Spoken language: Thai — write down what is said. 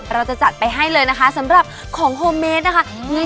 เราจะจัดไปให้เลยนะคะสำหรับของโฮเมดนะคะ